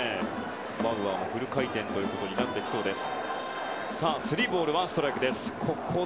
バウアーもフル回転となってきそうです。